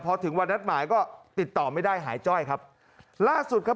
พอถึงวันนัดหมายก็ติดต่อไม่ได้หายจ้อยครับล่าสุดครับ